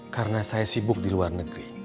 karena saya sibuk di luar negeri